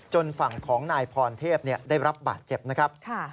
ฝั่งของนายพรเทพได้รับบาดเจ็บนะครับ